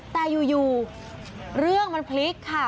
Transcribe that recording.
แต่อยู่เรื่องมันพลิกค่ะ